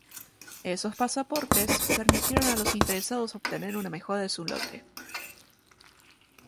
Esos pasaportes permitieron a los interesados obtener una mejora en su lote.